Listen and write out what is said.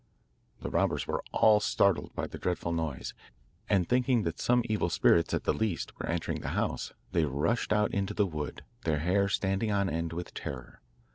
The robbers were all startled by the dreadful noise, and thinking that some evil spirits at the least were entering the house, they rushed out into the wood, their hair standing on end with terror.